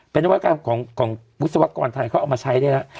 เป็นนวกรรมของวิศวกรไทยเขาเอามาใช้ได้แล้ว